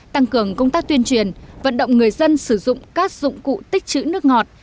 tăng cường công tác tuyên truyền vận động người dân sử dụng các dụng cụ tích chữ nước ngọt